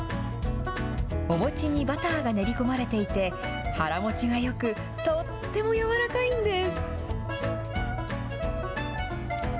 お餅にバターが練り込まれていて、腹持ちがよく、とっても軟らかいんです。